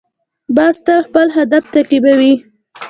باز تل خپل هدف تعقیبوي